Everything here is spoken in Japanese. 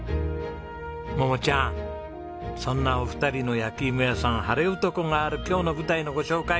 桃ちゃんそんなお二人の焼き芋屋さんハレオトコがある今日の舞台のご紹介